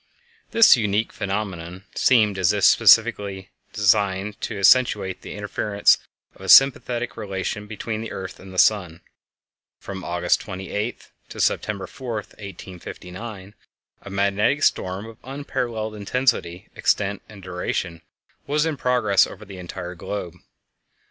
_ This unique phenomenon seemed as if specially designed to accentuate the inference of a sympathetic relation between the earth and the sun. From August 28 to September 4, 1859, a magnetic storm of unparalleled intensity, extent, and duration was in progress over the entire globe.